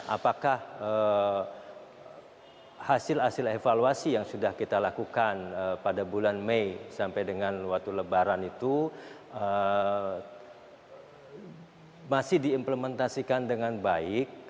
apakah hasil hasil evaluasi yang sudah kita lakukan pada bulan mei sampai dengan waktu lebaran itu masih diimplementasikan dengan baik